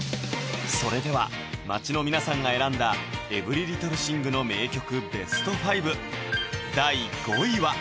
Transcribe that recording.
それでは街の皆さんが選んだ「ＥｖｅｒｙＬｉｔｔｌｅＴｈｉｎｇ」の名曲